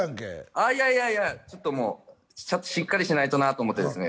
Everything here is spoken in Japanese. あっいやいやいやちょっとしっかりしないとなと思ってですね